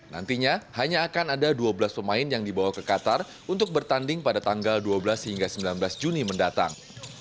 nantinya hanya akan ada dua belas pemain yang dibawa ke qatar untuk bertanding pada tanggal dua belas hingga sembilan belas juni mendatang